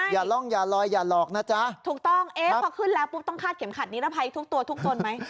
อย่าล่องอย่าลอยอย่าหลอกนะจ๊ะถูกต้องเอ๊ะพอขึ้นแล้วปุ๊บต้องคาดเข็มขัดนิรภัยทุกตัวทุกตนไหม